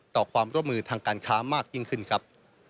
ต่อความร่วมมือทางการค้ามากยิ่งขึ้นครับ